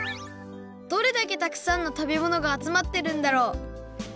どれだけたくさんの食べ物があつまってるんだろう？